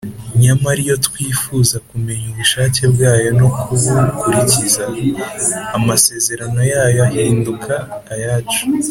nyamara iyo twifuza kumenya ubushake bwayo no kubukurikiza, amasezerano yayo ahinduka ayacu: